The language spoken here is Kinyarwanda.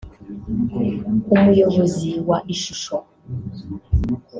umuyobozi wa Ishusho